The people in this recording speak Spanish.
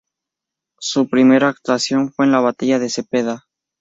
Su primera actuación fue en la batalla de Cepeda.